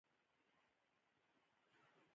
سیف الدین خان خپله شتمني په بې ځایه کارونو مصرف کړه